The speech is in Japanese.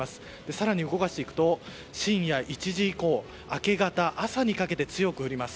更に動かすと深夜１時以降、明け方朝にかけて強く降ります。